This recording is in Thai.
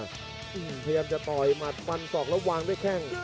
เตรียมจะตอยมัดพลัน๒แล้ววางด้วยแข้ง